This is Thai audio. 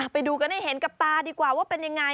ไปดูกันให้เห็นกับตาดีกว่าว่าเป็นยังไง